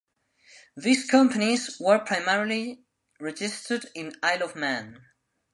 These companies were primarily registered in Isle of Man.